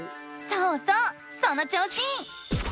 そうそうその調子！